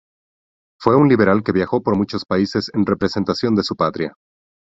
Fue un liberal que viajó por muchos países en representación de su patria.